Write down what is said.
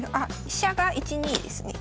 飛車が１二ですね。